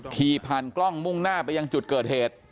ขี่ผ่านกล้องมุ่งหน้าไปยังจุดเกิดเหตุ